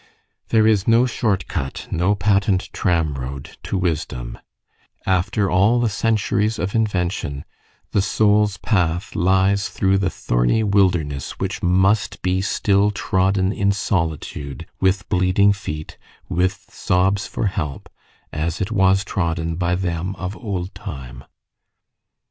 There is no short cut, no patent tram road, to wisdom: after all the centuries of invention, the soul's path lies through the thorny wilderness which must be still trodden in solitude, with bleeding feet, with sobs for help, as it was trodden by them of old time.